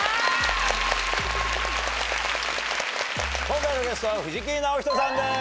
今回のゲストは藤木直人さんです！